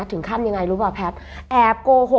ที่รัก